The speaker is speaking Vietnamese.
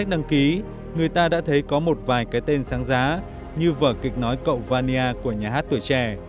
người ta đã thấy có một vài cái tên sáng giá như vở kịch nói cậu vania của nhà hát tuổi trẻ